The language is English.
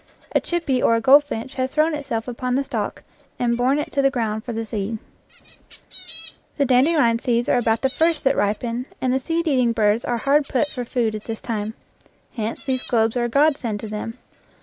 A chippy or a goldfinch has thrown itself upon the stalk and borne it to the ground for the seed. The dandelion seeds are about the first that ripen, and the seed eating birds are hard put for food at this time. Hence these globes are a godsend to them.